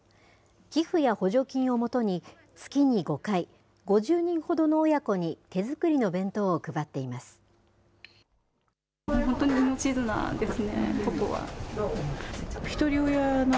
寄付や補助金をもとに、月に５回、５０人ほどの親子に、手作りの弁当を配っています。